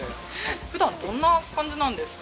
ふだんどんな感じなんですか？